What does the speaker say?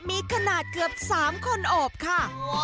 มีขนาดเกือบ๓คนโอบค่ะ